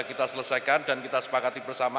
kita selesaikan dan kita sepakati bersama